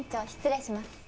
失礼します。